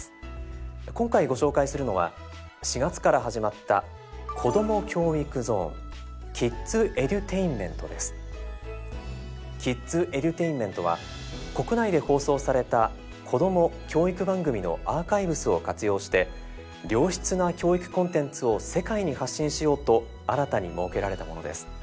今回ご紹介するのは４月から始まった「ＫｉｄｓＥｄｕｔａｉｎｍｅｎｔ」は国内で放送されたこども・教育番組のアーカイブスを活用して良質な教育コンテンツを世界に発信しようと新たに設けられたものです。